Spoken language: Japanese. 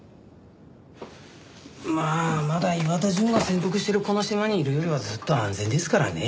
まあまだ岩田純が潜伏してるこの島にいるよりはずっと安全ですからね。